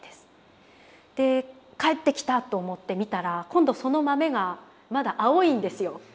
で帰ってきたと思って見たら今度その豆がまだ青いんですよ。